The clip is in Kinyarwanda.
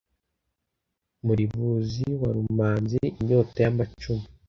muribuzi wa rumanzi inyota y'amacumu;